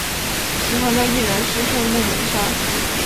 喜欢的艺人是黑木美纱。